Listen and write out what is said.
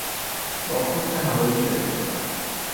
با پست هوایی فرستادم.